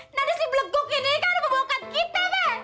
nanti si beleguk ini kan membokat kita be